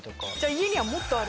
家にはもっとある？